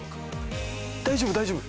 大丈夫大丈夫。